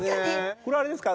これあれですか？